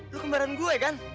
lu kembaran gue kan